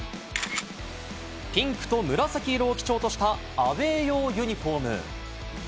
ピンクと紫色を基調としたアウェー用ユニホーム。